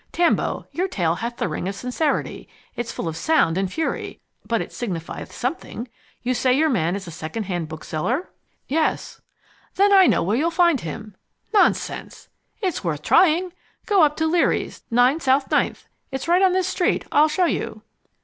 "Tambo, your tale hath the ring of sincerity. It is full of sound and fury, but it signifieth something. You say your man is a second hand bookseller?" "Yes." "Then I know where you'll find him." "Nonsense!" "It's worth trying. Go up to Leary's, 9 South Ninth. It's right on this street. I'll show you."